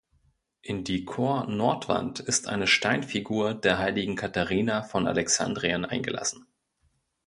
In die Chornordwand ist eine Steinfigur der heiligen Katharina von Alexandrien eingelassen.